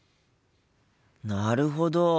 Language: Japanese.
なるほど！